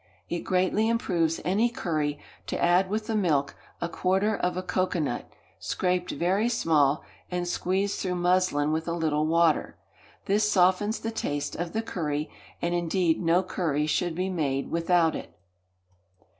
It greatly improves any curry to add with the milk a quarter of a cocoa nut, scraped very small, and squeezed through muslin with a little water; this softens the taste of the curry, and, indeed, no curry should be made without it.